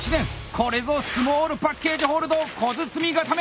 これぞスモールパッケージホールド小包固め！